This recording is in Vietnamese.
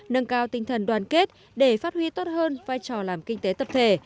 nâng cao tinh thần đoàn kết để phát huy tốt hơn vai trò làm kinh tế tập thể